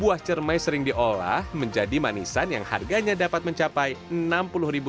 buah cermai sering diolah menjadi manisan yang harganya dapat mencapai rp enam